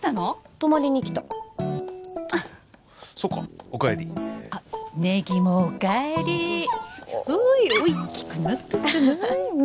泊まりに来たあっそっかおかえりあっネギもおかえりおい大きくなったんじゃない？